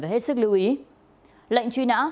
hết sức lưu ý lệnh truy nã